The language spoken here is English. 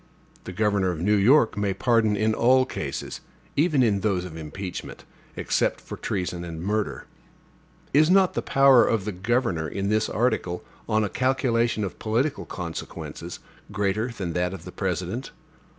The governor of New York may pardon in all cases, even in those of impeachment, except for treason and murder. Is not the power of the governor, in this article, on a calculation of political consequences, greater than that of the President?